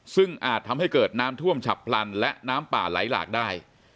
ซึ่งอาจทำให้เกิดน้ำท่วมฉับพลันและน้ำป่าไหลหลากได้